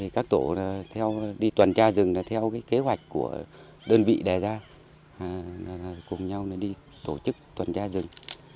các tổ đi tuần tra rừng theo kế hoạch của đơn vị đề ra cùng nhau đi tổ chức tuần tra rừng